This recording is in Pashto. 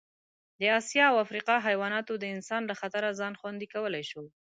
د اسیا او افریقا حیواناتو د انسان له خطره ځان خوندي کولی شو.